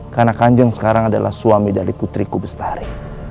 karena kanjeng sekarang adalah suami dari putriku bestari